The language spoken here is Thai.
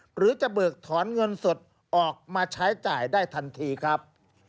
หรือจะเบิกถอนเงินสดออกมาใช้จ่ายได้ทันทีครับ